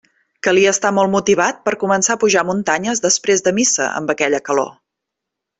Calia estar molt motivat per a començar a pujar muntanyes després de missa, amb aquella calor.